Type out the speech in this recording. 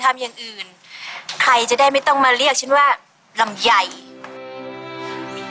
ลำยาย